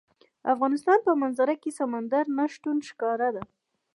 د افغانستان په منظره کې سمندر نه شتون ښکاره ده.